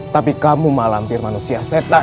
tapi kamu mak lampir manusia setan